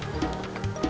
lagi meriksa di dapur